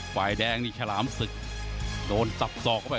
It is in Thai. หวายแดงถึงขรามสึกโดนสับสอกเข้าไป